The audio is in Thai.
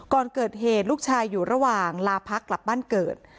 ก่อนเกิดเหตุลูกชายอยู่ระหว่างลาพักกลับบ้านเกิด